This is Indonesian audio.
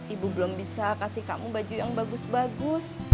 ibu belum bisa kasih kamu baju yang bagus bagus